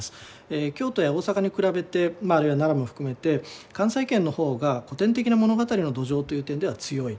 京都や大阪に比べてあるいは長野も含めて関西圏の方が古典的な物語の土壌という点では強い。